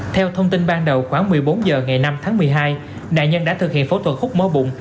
theo thông tin ban đầu khoảng một mươi bốn h ngày năm tháng một mươi hai nạn nhân đã thực hiện phẫu thuật khúc mỡ bụng